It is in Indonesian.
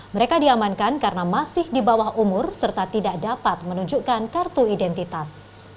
mereka diamankan karena masih di bawah umur serta tidak dapat menunjukkan kartu identitas